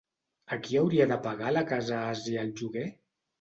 A qui hauria de pagar la Casa Àsia el lloguer?